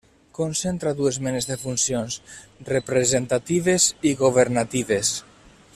Concentra dues menes de funcions: representatives i governatives.